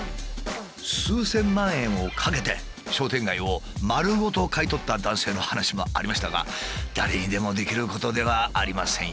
数千万円をかけて商店街を丸ごと買い取った男性の話もありましたが誰にでもできることではありませんよね。